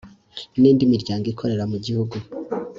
n indi miryango ikorera mu gihugu